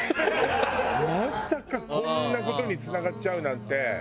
まさかこんな事につながっちゃうなんて。